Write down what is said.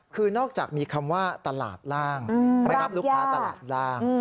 คือนอกจากมีคำว่าตลาดล่างไม่รับลูกค้าตลาดล่าง